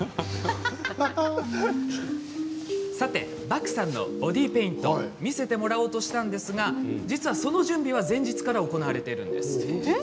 さてバクさんのボディーペイント見せてもらおうとしたんですが実は、その準備は前日から始まっています。